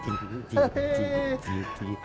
udin mau masuk mak